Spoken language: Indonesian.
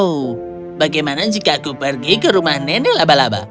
oh bagaimana jika aku pergi ke rumah nenek labalaba